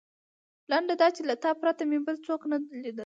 لنډه دا چې له تا پرته مې بل هېڅوک نه لیدل.